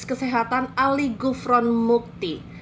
kesehatan ali gufron mukti